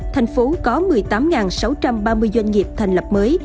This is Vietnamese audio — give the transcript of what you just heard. tp có một mươi tám sáu trăm ba mươi doanh nghiệp thành lập mới